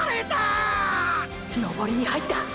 登りに入った！！